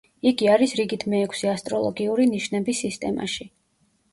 იგი არის რიგით მეექვსე ასტროლოგიური ნიშნების სისტემაში.